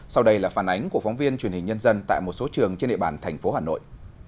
sau đây là phản ánh của phóng viên truyền hình nhân dân tại một số trường trên địa bàn thành phố hà nội